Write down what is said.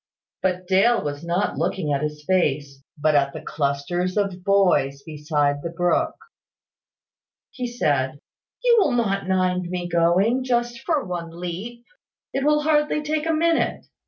But Dale was not looking at his face, but at the clusters of boys beside the brook. He said "You will not mind my going, just for one leap. It will hardly take a minute.